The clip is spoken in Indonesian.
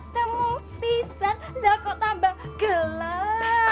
temu pisar loko tambah gelap